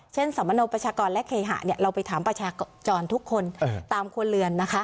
สมโนประชากรและเคหะเราไปถามประชากรทุกคนตามครัวเรือนนะคะ